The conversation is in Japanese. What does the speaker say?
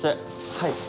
はい。